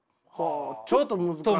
ちょっと難しい。